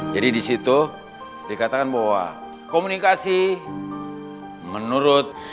jadi disitu dikatakan bahwa komunikasi menurut